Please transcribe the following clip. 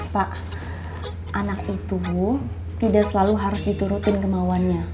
pak anak itu bu tidak selalu harus diturutin kemauannya